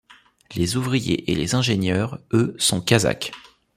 Les ouvriers et les ingénieurs, eux, sont Kazakhs.